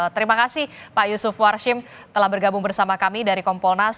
terima kasih pak yusuf warshim telah bergabung bersama kami dari kompolnas